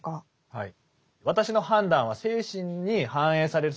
はい。